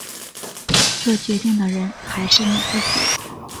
作决定的人还是你自己